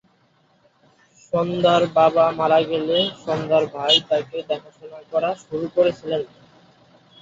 সন্ধ্যার বাবা মারা গেলে সন্ধ্যার ভাই তাকে দেখাশোনা করা শুরু করেছিলেন।